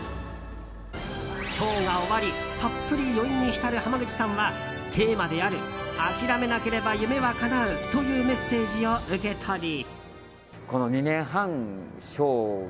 ショーが終わりたっぷり余韻に浸る濱口さんはテーマである「諦めなければ夢はかなう」というメッセージを受け取り。